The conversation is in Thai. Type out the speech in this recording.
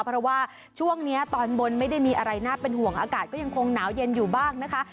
เพราะว่าช่วงนี้ตอนบนไม่ได้มีอะไรน่าเป็นห่วงอากาศก็ยังคงหนาวเย็นอยู่บ้างนะคะ